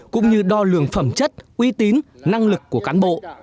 cũng như đo lường phẩm chất uy tín năng lực của cán bộ